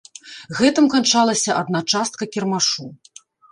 Гэтым канчалася адна частка кірмашу.